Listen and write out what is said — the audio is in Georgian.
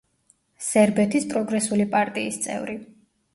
სერბეთის პროგრესული პარტიის წევრი.